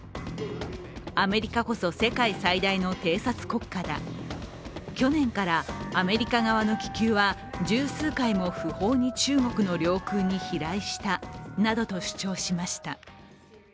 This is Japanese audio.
アメリカこそ世界最大の偵察国家だ去年からアメリカ側の気球は十数回も不法に中国の領空に飛来したなどと主張しました。